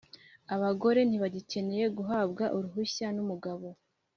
abagore ntibagicyeneye guhabwa uruhushya n’umugabo